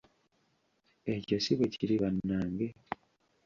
Ekyo si bwe kiri bannange?.